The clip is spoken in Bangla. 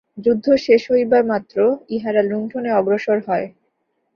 যুদ্ধ শেষ হইবামাত্র ইহারা লুণ্ঠনে অগ্রসর হয়।